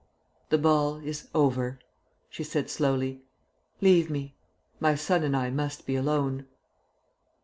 "The ball is over," she said slowly. "Leave me. My son and I must be alone."